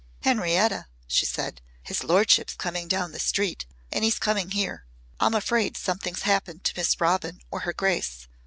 "Henrietta," she said, "his lordship's coming down the street and he's coming here. I'm afraid something's happened to Miss Robin or her grace.